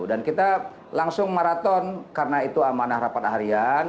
dan kita langsung maraton karena itu amanah rapat harian